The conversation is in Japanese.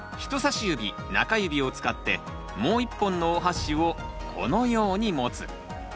人さし指中指を使ってもう一本のおはしをこのように持つ。